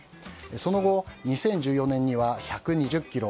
その後２０１４年には１２０ｋｇ。